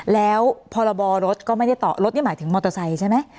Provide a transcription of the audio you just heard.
แล้วพรบรถก็ไม่ได้ต่อรถนี่หมายถึงมอเตอร์ไซค์ใช่ไหม